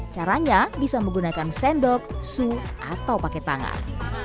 caranya bisa menggunakan sendok su atau pakai tangan